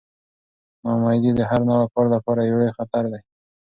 ناامیدي د هر نوي کار لپاره یو لوی خطر دی.